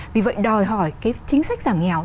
vì vậy đòi hỏi cái chính sách giảm nghèo